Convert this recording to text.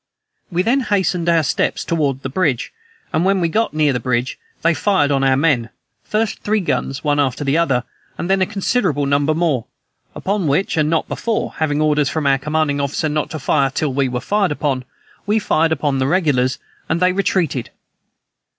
We then hastened our steps toward the bridge, and when we had got near the bridge, they fired on our men first three guns, one after the other, and then a considerable number more; upon which, and not before (having orders from our commanding officer not to fire till we were fired upon), we fired upon the regulars, and they retreated.